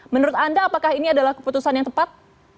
menurut anda apakah ini adalah keputusan yang tepat